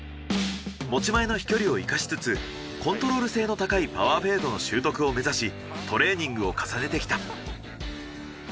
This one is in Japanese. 持ち前の飛距離を生かしつつコントロール性の高いパワーフェードの習得を目指しトレーニングを重ねてきた。